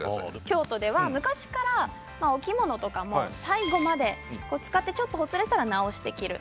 京都では昔からお着物とかも最後まで使ってちょっとほつれたら直して着る。